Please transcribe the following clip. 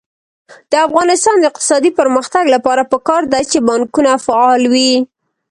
د افغانستان د اقتصادي پرمختګ لپاره پکار ده چې بانکونه فعال وي.